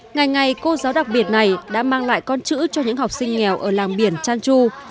ngày ngày cô giáo đặc biệt này đã mang lại con chữ cho những học sinh nghèo ở làng biển trang chu